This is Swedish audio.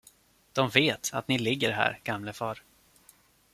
De vet, att ni ligger här, gamlefar.